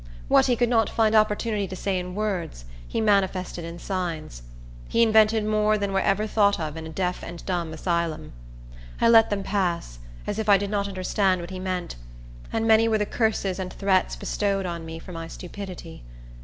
What he could not find opportunity to say in words he manifested in signs. He invented more than were ever thought of in a deaf and dumb asylum. I let them pass, as if I did not understand what he meant; and many were the curses and threats bestowed on me for my stupidity.